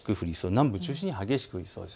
南部を中心に激しく降りそうです。